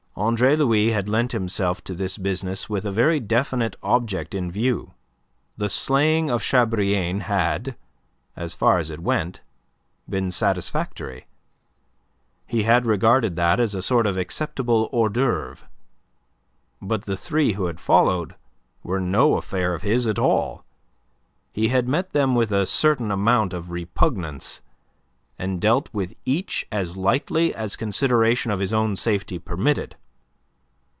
Andre Louis had lent himself to this business with a very definite object in view. The slaying of Chabrillane had, as far as it went, been satisfactory. He had regarded that as a sort of acceptable hors d'oeuvre. But the three who had followed were no affair of his at all. He had met them with a certain amount of repugnance, and dealt with each as lightly as consideration of his own safety permitted.